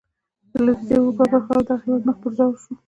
د لوېدیځې اروپا برخلاف دغه هېواد مخ پر ځوړ روان شو.